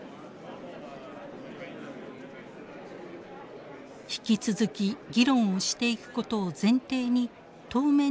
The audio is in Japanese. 引き続き議論をしていくことを前提に当面の合意にこぎ着けたのです。